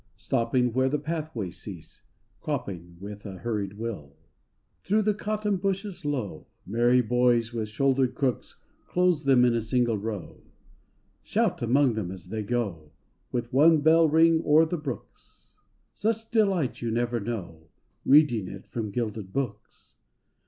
Stopping where the pathways cease, Cropping with a hurried will. Thro' the cotton bushes low Merry boys with shouldered crooks Close them in a single row. Shout among them as they go With one bell ring o'er the brooks. i88 THE HOMECOMING OF THE SHEEP 189 Such delight you never know Reading it from gilded books.